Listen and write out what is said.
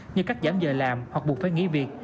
như cắt giảm giờ làm hoặc buộc phải nghỉ việc